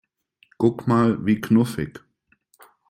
Guck mal, wie knuffig!